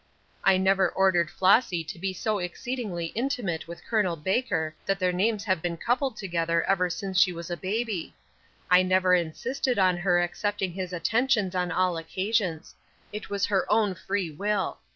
"I never ordered Flossy to be so exceedingly intimate with Col. Baker that their names have been coupled together ever since she was a baby. I never insisted on her accepting his attentions on all occasions. It was her own free will.